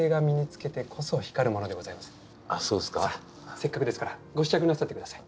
せっかくですからご試着なさって下さい。